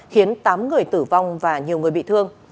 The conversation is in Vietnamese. khiến tám người tử vong và nhiều người bị thương